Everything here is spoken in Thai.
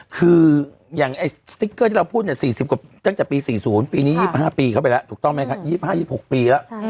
คืออย่างสติ๊กเกอร์ที่เราพูดเนี่ย๔๐กว่าตั้งแต่ปี๔๐ปีนี้๒๕ปีเข้าไปแล้วถูกต้องไหมคะ๒๕๒๖ปีแล้ว